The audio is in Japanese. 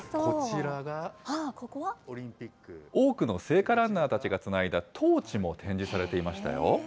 多くの聖火ランナーたちがつないだトーチも展示されていましたよ。